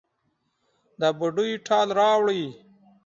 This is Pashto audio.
د بوډۍ ټال راوړي